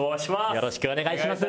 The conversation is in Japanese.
よろしくお願いします。